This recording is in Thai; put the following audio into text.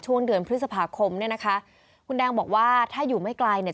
ช่วงเดือนพฤษภาคมเนี่ยนะคะคุณแดงบอกว่าถ้าอยู่ไม่ไกลเนี่ย